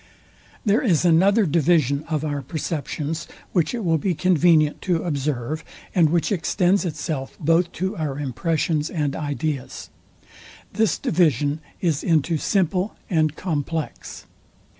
There is another division of our perceptions, which it will be convenient to observe, and which extends itself both to our impressions and ideas. This division is into SIMPLE and COMPLEX.